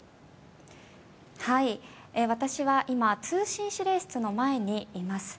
私は今通信指令室の前にいます。